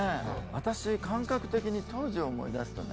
私感覚的に当時を思い出すとね。